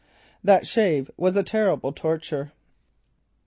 That shave was a terrible torture.